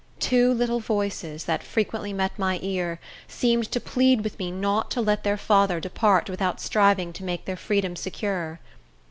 Two little voices, that frequently met my ear, seemed to plead with me not to let their father depart without striving to make their freedom secure.